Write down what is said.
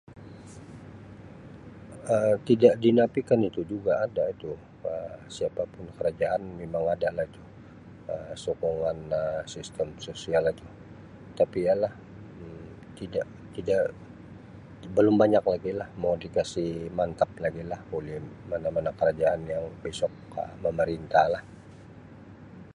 Um Tidak dinafikan itu juga ada itu Um siapa pun kerajaan memang ada lah tu Um sokongan Um sistem sosial tu tapi ya lah Um tidak tidak belum banyak lagi lah mau di kasi mantap lagi lah oleh mana-mana kerajaan yang besok Um memerintah lah.